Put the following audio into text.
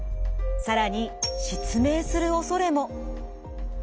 更に失明するおそれも。